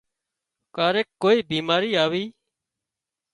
ڪاريڪ ڪوئي بيماري آوي